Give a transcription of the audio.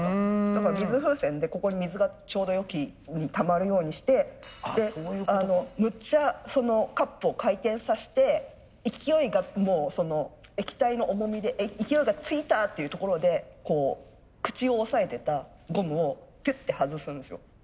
だから水風船でここに水がちょうどよきにたまるようにしてむっちゃそのカップを回転させて勢いが液体の重みで勢いがついたっていうところで口を押さえてたゴムをピュッて外すんですよ。